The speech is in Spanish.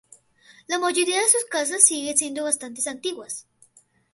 La mayoría de sus casas sigue siendo bastantes antiguas.